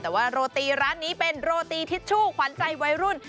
แต่ว่าโรตีร้านนี้เป็นโรตีทิชชู่ขวัญใจวัยรุ่น